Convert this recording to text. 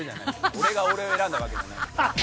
俺が俺を選んだわけじゃない。